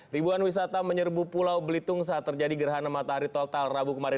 ribuan wisata menyerbu pulau belitung saat terjadi gerhana matahari total rabu kemarin